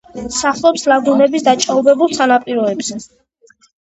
სახლობს ლაგუნების დაჭაობებულ სანაპიროებზე.